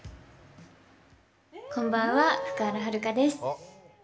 こんばんは、福原遥です。